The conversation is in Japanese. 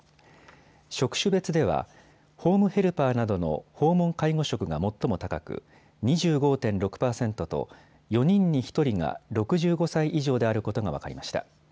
職種別ではホームヘルパーなどの訪問介護職が最も高く、２５．６％と４人に１人が６５歳以上であることが分かりました。